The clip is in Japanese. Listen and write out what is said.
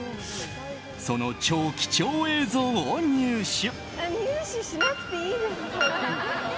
その超貴重映像を入手。